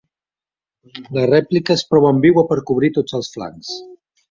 La rèplica és prou ambigua per cobrir tots els flancs.